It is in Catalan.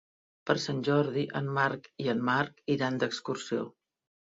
Per Sant Jordi en Marc i en Marc iran d'excursió.